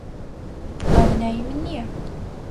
ئەوە ناوی من نییە.